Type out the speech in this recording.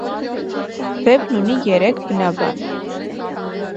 Վեպն ունի երեք բնաբան։